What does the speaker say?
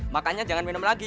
makannya jangan minum lagi